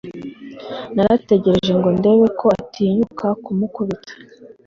Narategereje ngo ndebe ko atinyuka kumukubita